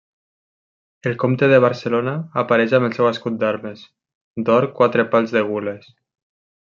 El comte de Barcelona apareix amb el seu escut armes, d'or quatre pals de gules.